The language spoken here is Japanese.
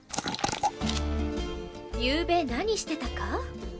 ゆうべ何してたか？